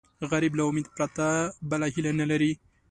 غریب له امید پرته بله هیله نه لري